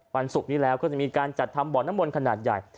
ศุกร์นี้แล้วก็จะมีการจัดทำบ่อน้ำมนต์ขนาดใหญ่